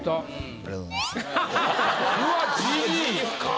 ありがとうございます。